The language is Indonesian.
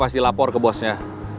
dia pasti lapor ke bosnya